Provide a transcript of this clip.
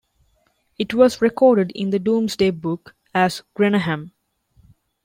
It was recorded in the Domesday Book as "Greneham".